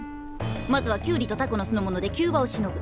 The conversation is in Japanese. まずはキュウリとタコのすの物で急場をしのぐ。